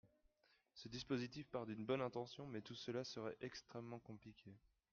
Ce dispositif part d’une bonne intention, mais tout cela serait extrêmement compliqué.